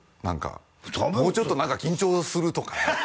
何かもうちょっと何か緊張するとかね